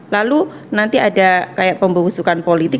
lalu nanti ada kayak pembusukan politik